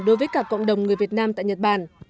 đối với cả cộng đồng người việt nam tại nhật bản